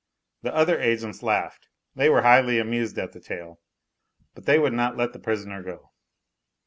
The other agents laughed. They were highly amused at the tale, but they would not let the prisoner go.